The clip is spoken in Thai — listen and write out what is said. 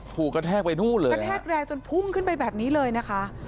กระแทกไปนู่นเลยกระแทกแรงจนพุ่งขึ้นไปแบบนี้เลยนะคะ